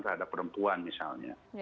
terhadap perempuan misalnya